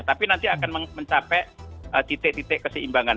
tapi nanti akan mencapai titik titik keseimbangan